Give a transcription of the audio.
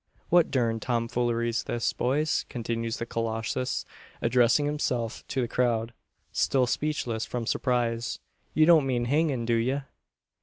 "What durned tom foolery's this, boys?" continues the colossus, addressing himself to the crowd, still speechless from surprise. "Ye don't mean hangin', do ye?"